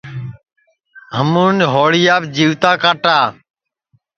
ہمون ہوݪیاپ جیوتا کاٹا